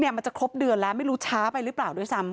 มันจะครบเดือนแล้วไม่รู้ช้าไปหรือเปล่าด้วยซ้ำ